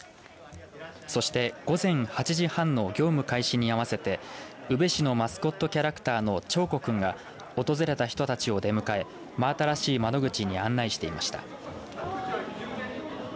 そして午前８時半の業務開始に合わせて宇部市のマスコットキャラクターのチョーコクンが訪れた人たちを出迎え真新しい窓口に案内していました。